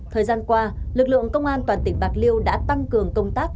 thời gian qua lực lượng công an toàn tỉnh bạc liêu đã tăng cường công tác